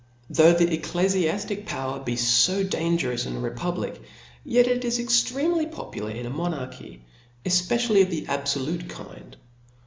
. Though the ecclefiaftic power be fo dangerous in a republic, yet it is extremely proper in a mo narchy, efpccially of the abfolute kind.